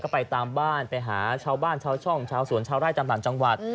ก็ไปตามบ้านไปหาชาวบ้านชาวช่องชาวสวนชาวไร่ตามต่างจังหวัด